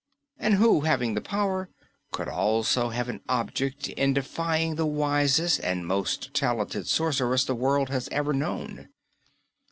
And who, having the power, could also have an object in defying the wisest and most talented Sorceress the world has ever known?